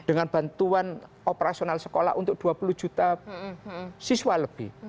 dengan bantuan operasional sekolah untuk dua puluh juta siswa lebih